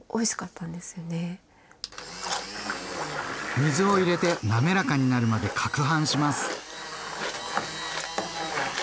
水を入れて滑らかになるまでかくはんします。